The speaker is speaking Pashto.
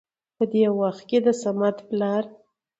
په دې وخت کې د صمد پلار